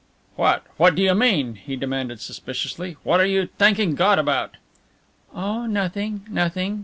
"What what do you mean?" he demanded suspiciously. "What are you thanking God about?" "Oh, nothing, nothing."